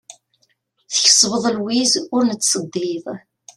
Tkesbeḍ lwiz ur nettseddid.